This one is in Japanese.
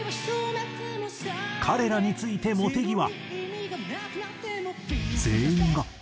彼らについて茂木は。